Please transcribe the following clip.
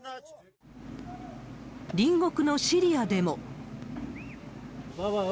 隣国のシリアでも。